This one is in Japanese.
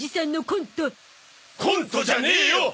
コントじゃねえよ！